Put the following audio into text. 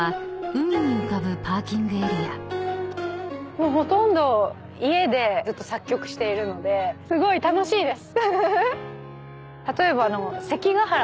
もうほとんど家でずっと作曲しているのですごい楽しいです！